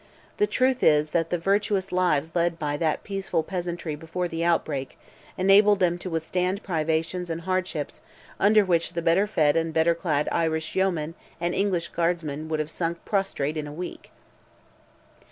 The truth is, that the virtuous lives led by that peaceful peasantry before the outbreak, enabled them to withstand privations and hardships under which the better fed and better clad Irish yeomen and English guardsmen would have sunk prostrate in a week.